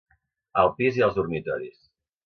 Al pis hi ha els dormitoris.